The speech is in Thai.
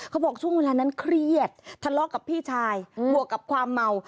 เขาบอกช่วงเวลานั้นเครียดทะเลาะกับพี่ชายบวกกับความเมา